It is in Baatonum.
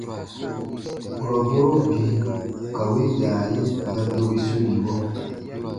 Kurɔ mɔro bii ka win yaayi ba dobi sunimɔ.